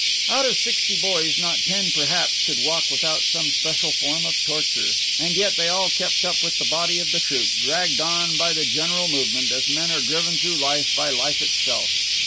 Out of sixty boys, not ten perhaps could walk without some special form of torture; and yet they all kept up with the body of the troop, dragged on by the general movement, as men are driven through life by life itself.